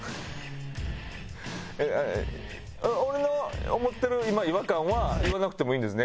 俺の思ってる違和感は言わなくてもいいんですね？